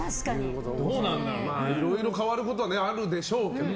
いろいろ変わることはあるでしょうけど。